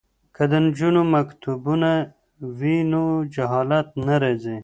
که د نجونو مکتبونه وي نو جهالت نه راځي.